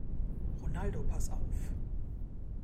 Ronaldo, pass auf!